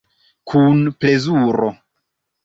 Kun plezuro.